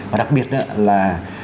và đặc biệt là